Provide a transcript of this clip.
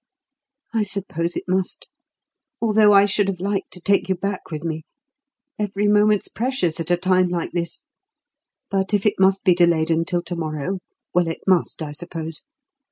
"I suppose it must, although I should have liked to take you back with me. Every moment's precious at a time like this. But if it must be delayed until to morrow well, it must, I suppose.